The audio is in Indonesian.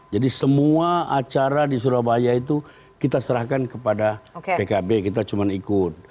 semua acara di surabaya itu kita serahkan kepada pkb kita cuma ikut